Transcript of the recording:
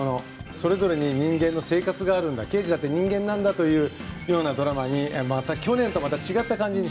それぞれに人間の生活があるんだ刑事だって人間なんだというようなドラマにまた去年と違った感じに